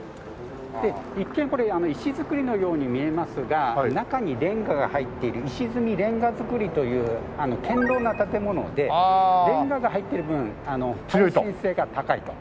で一見これ石造りのように見えますが中にレンガが入っている石積みレンガ造りという堅牢な建物でレンガが入ってる分耐震性が高いと。